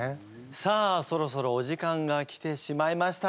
さあそろそろお時間が来てしまいました。